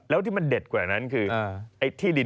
แล้วที่มันเด็ดกว่านั้นคือ